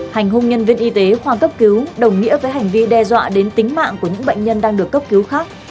hành hung nhân viên y tế khoa cấp cứu đồng nghĩa với hành vi đe dọa đến tính mạng của những bệnh nhân đang được cấp cứu khác